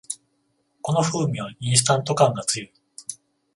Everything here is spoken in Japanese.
この風味はインスタント感が強い